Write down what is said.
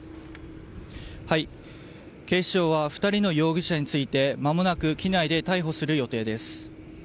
警視庁は２人の容疑者について、まもなく機内で逮捕する予定です。